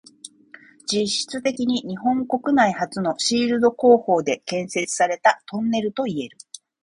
実質的に日本国内初のシールド工法で建設されたトンネルといえる。